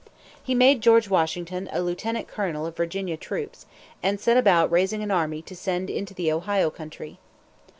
He made George Washington a lieutenant colonel of Virginia troops, and set about raising an army to send into the Ohio Country.